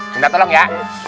nanti tolong ya